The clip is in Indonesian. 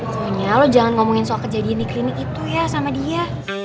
soalnya lo jangan ngomongin soal kejadian di klinik itu ya sama dia